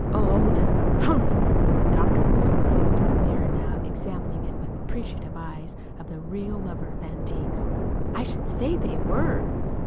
"Old! Humph!" The doctor was close to the mirror now, examining it with the appreciative eyes of the real lover of the antique. "I should say they were.